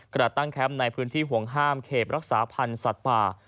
ตั้งแคมป์ในพื้นที่ห่วงห้ามเขตรักษาพันธ์สัตว์ป่า